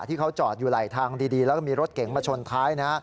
ที่เขาจอดอยู่ไหลทางดีแล้วก็มีรถเก๋งมาชนท้าย